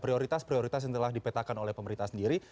prioritas prioritas yang telah dipetakan oleh pemerintah sendiri